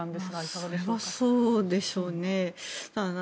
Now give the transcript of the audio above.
それはそうでしょうね。